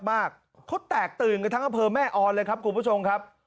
มากเขาแตกตื่นกันทั้งอำเภอแม่ออนเลยครับคุณผู้ชมครับ